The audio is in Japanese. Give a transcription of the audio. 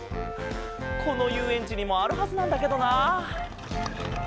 このゆうえんちにもあるはずなんだけどな。